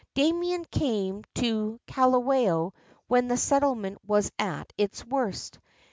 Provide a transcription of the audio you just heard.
Damien came to Kalawao when the settlement was at its worst.